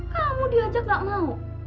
kamu diajak gak mau